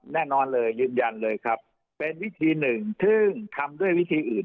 แน่นอนเลยยืนยันเลยครับเป็นวิธีหนึ่งซึ่งทำด้วยวิธีอื่น